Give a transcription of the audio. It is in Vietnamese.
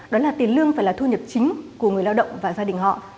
đó là tiền lương phải là thu nhập chính của người lao động và gia đình họ